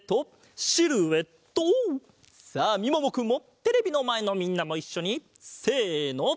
さあみももくんもテレビのまえのみんなもいっしょにせの！